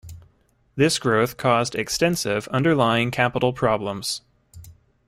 This growth caused extensive underlying capital problems.